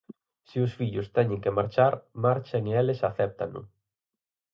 Se os fillos teñen que marchar, marchan e eles acéptano.